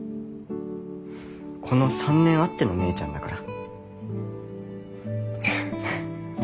この３年あっての姉ちゃんだから。